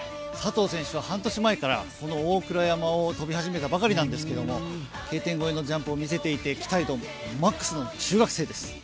佐藤選手は半年前からこの大倉山を飛び始めたばかりなんですがＫ点越えのジャンプを見せていて、期待度マックスの中学生です。